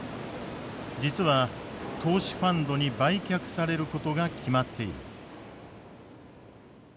実は投資ファンドに売却されることが決まっている。